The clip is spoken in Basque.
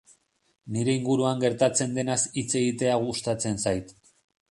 Nire inguruan gertatzen denaz hitz egitea gustatzen zait.